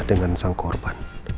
dengan sang korban